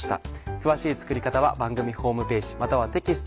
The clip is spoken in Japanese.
詳しい作り方は番組ホームページまたはテキスト